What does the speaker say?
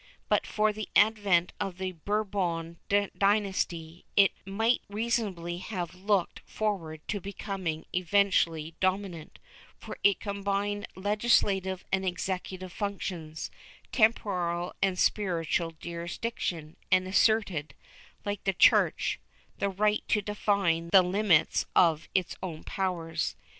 But for the advent of the Bourbon dynasty, it might reasonably have looked forward to becoming eventually dominant, for it combined legislative and executive functions, temporal and spiritual jurisdiction, and asserted, like the Church, the right to define the limits of its own powers.